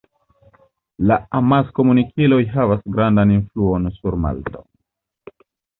La amaskomunikiloj havas grandan influon sur Malto.